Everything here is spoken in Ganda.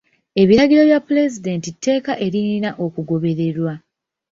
Ebiragiro bya puleezidenti tteeka eririna okugobererwa.